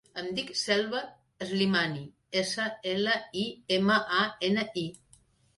Em dic Selva Slimani: essa, ela, i, ema, a, ena, i.